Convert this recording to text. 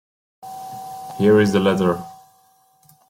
Here is the letter.